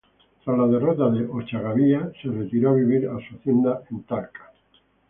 Tras la derrota en Ochagavía se retiró a vivir a su hacienda en Talca.